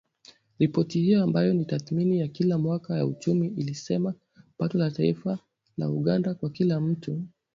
Ripoti hiyo ambayo ni tathmini ya kila mwaka ya uchumi ilisema pato la taifa la Uganda kwa kila mtu